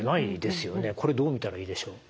これどう見たらいいでしょう？